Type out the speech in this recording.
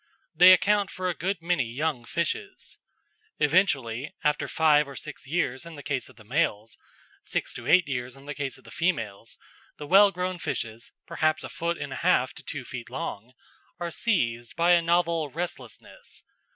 They account for a good many young fishes. Eventually, after five or six years in the case of the males, six to eight years in the case of the females, the well grown fishes, perhaps a foot and a half to two feet long, are seized by a novel restlessness.